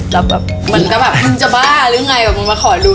แล้วแบบมันก็แบบมึงจะบ้าหรือไงแบบมึงมาขอดู